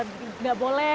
ternyata gak boleh